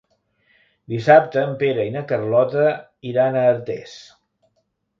Dissabte en Pere i na Carlota iran a Artés.